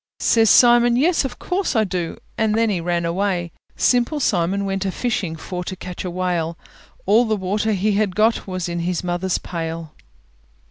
Says Simon, "Yes, of course I do!" And then he ran away. Simple Simon went a fishing For to catch a whale: All the water he had got Was in his mother's pail.